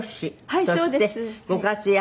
はいそうです。ご活躍。